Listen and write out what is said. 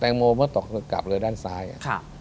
แตงโมเมื่อเกาะเกาะกลับเลือดนซ้ายอะค่ะ